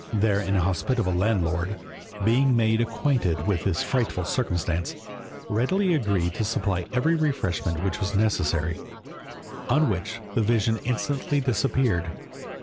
Their inhospitable landlord, being made acquainted with this frightful circumstance, readily agreed to supply every refreshment which was necessary, on which the vision instantly disappeared.